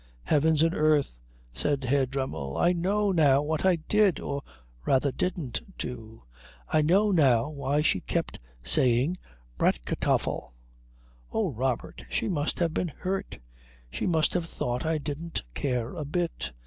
"Heavens and earth!" said Herr Dremmel. "I know now what I did or rather didn't do. I know now why she kept on saying Bratkartoffel. Oh, Robert, she must have been hurt. She must have thought I didn't care a bit.